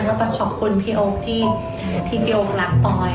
ดีกว่าผู้หญิงที่ได้แต่งงานกับเจ้าชร้ายอีก